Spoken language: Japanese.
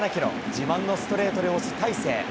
自慢のストレートで押す大勢。